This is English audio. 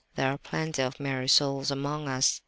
There are plenty of merry souls among us!